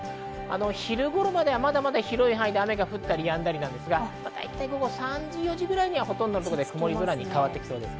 昼頃まではまだまだ広い範囲で雨が降ったりやんだりですが、午後３時、４時くらいには曇り空と変わってきそうです。